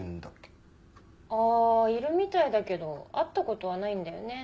ああいるみたいだけど会った事はないんだよね。